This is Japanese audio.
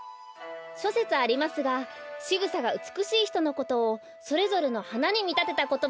しょせつありますがしぐさがうつくしいひとのことをそれぞれのはなにみたてたことばです。